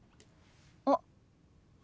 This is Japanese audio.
あっ。